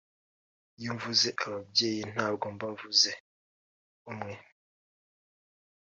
Iyo mvuze ababyeyi ntabwo mba mvuze umwe